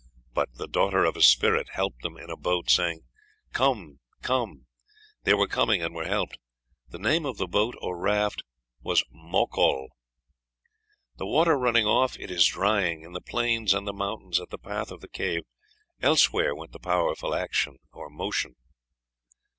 But the daughter of a spirit helped them in a boat, saying, 'Come, come;' they were coming and were helped. The name of the boat or raft is Mokol.... Water running off, it is drying; in the plains and the mountains, at the path of the cave, elsewhere went the powerful action or motion."